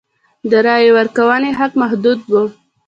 د رایې ورکونې حق محدود و.